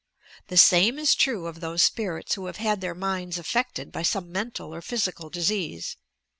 The same is true of those spirits who have had their minds affected by some mental or physical disease.